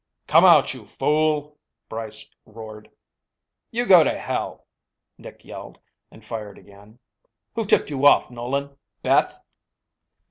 "Come out, you fool," Brice roared. "You go to hell," Nick yelled and fired again. "Who tipped you off, Nolan? Beth?"